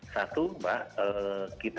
satu bah kita